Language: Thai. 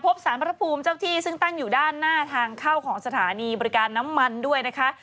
สารพระภูมิเจ้าที่ซึ่งตั้งอยู่ด้านหน้าทางเข้าของสถานีบริการน้ำมันด้วยนะคะ